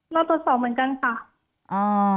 รอตรวจสอบเหมือนกันค่ะ